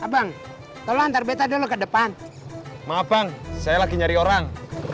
abang tolong tarbeta dulu ke depan maaf bang saya lagi nyari orang